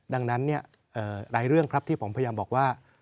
ดังนั้นหลายเรื่องครับที่ผมพยายามบอกว่า